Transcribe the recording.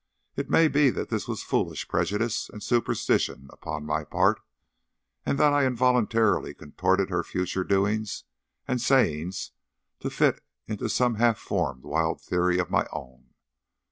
It may be that this was foolish prejudice and superstition upon my part, and that I involuntarily contorted her future doings and sayings to fit into some half formed wild theory of my own.